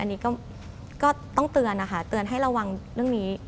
นี่ก็ต้องเตือนตื่นให้ระวังเรื่องนี้